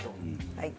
はい。